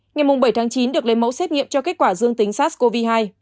ngày mùng bảy tháng chín được lấy mẫu xét nghiệm cho kết quả dương tính sars cov hai